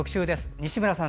西村さん